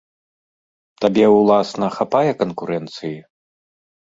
Табе, уласна, хапае канкурэнцыі?